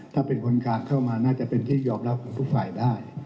ถ้าเป็นคนกลางเข้ามาน่าจะเป็นที่ยอมรับของทุกฝ่ายได้